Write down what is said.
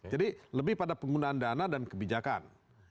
jadi lebih pada penggunaan dana dan kebijakan